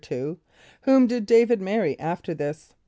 = Whom did D[=a]´vid marry after this?